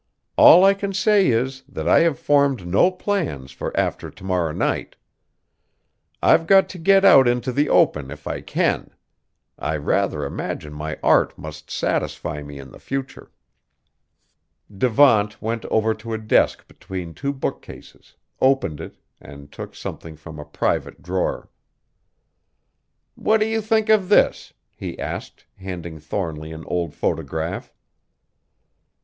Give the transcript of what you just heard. All I can say is, that I have formed no plans for after to morrow night! I've got to get out into the open if I can. I rather imagine my art must satisfy me in the future." Devant went over to a desk between two bookcases, opened it, and took something from a private drawer. "What do you think of this?" he asked, handing Thornly an old photograph.